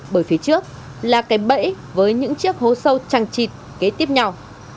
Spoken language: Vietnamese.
bởi phía trước là cái bẫy với những chiếc hố sâu trăng trịt kế tiếp nhau